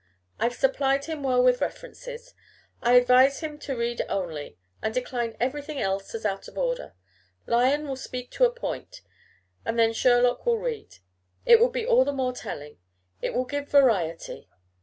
I've supplied him well with references. I advise him to read only, and decline everything else as out of order. Lyon will speak to a point, and then Sherlock will read: it will be all the more telling. It will give variety."